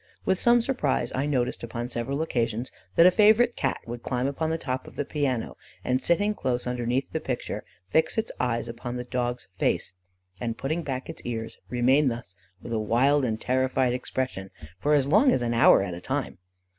With some surprise I noticed, upon several occasions, that a favourite cat would climb upon the top of the piano, and sitting close underneath the picture, fix its eyes upon the dog's face, and putting back its ears, remain thus, with a wild and terrified expression, for as long as an hour at a time.